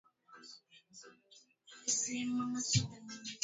Tumbo la tatu huwa kavu na lililogandamizwa